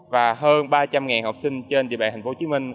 và hơn ba trăm linh học sinh trên địa bàn tp hcm